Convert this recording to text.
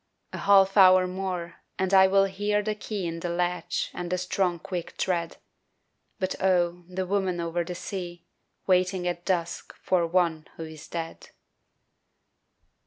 A half hour more and I will hear The key in the latch and the strong quick tread But oh, the woman over the sea Waiting at dusk for one who is dead!